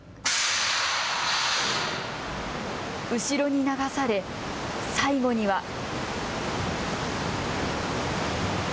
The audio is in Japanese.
後ろに流され、最後には。